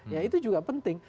ya itu juga penting